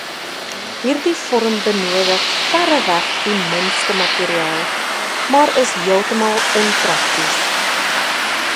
Hierdie vorm benodig verreweg die minste materiaal, maar is heeltemal onprakties.